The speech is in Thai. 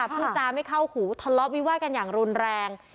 พูดจาไม่เข้าหูทะเลาะวิวาดกันอย่างรุนแรง